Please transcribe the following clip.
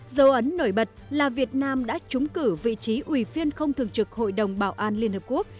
dấu ấn nổi bật là việt nam đã trúng cử vị trí ủy viên không thường trực hội đồng bảo an liên hợp quốc